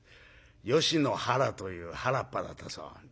吉の原という原っぱだったそう。